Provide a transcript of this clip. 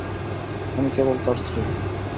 আমি কেবল তার স্ত্রী।